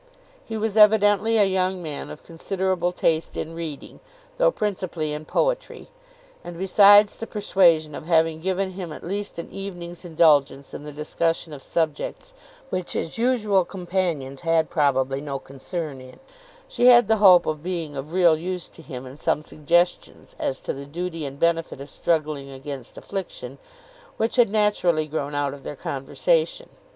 He was evidently a young man of considerable taste in reading, though principally in poetry; and besides the persuasion of having given him at least an evening's indulgence in the discussion of subjects, which his usual companions had probably no concern in, she had the hope of being of real use to him in some suggestions as to the duty and benefit of struggling against affliction, which had naturally grown out of their conversation.